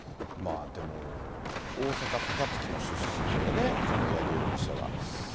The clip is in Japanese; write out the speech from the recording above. でも、大阪・高槻の出身でね、八木容疑者は。